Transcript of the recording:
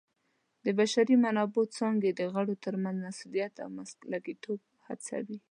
د بشري منابعو څانګې د غړو ترمنځ مسؤلیت او مسلکیتوب هڅوي.